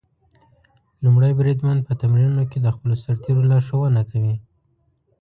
لومړی بریدمن په تمرینونو کې د خپلو سرتېرو لارښوونه کوي.